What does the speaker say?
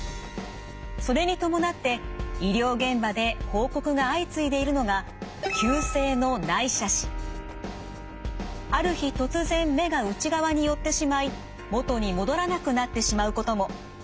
それに伴って医療現場で報告が相次いでいるのがある日突然目が内側に寄ってしまい元に戻らなくなってしまうことも。